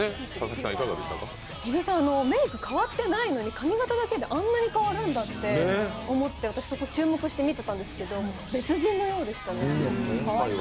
日比さん、メイク変わってないのに、髪形だけであんなに変わるんだって思って私、注目して見てたんですけど別人のようでしたね。